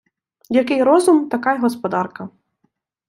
Який розум, така й господарка.